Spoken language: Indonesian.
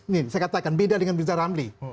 nih saya katakan beda dengan bizaramli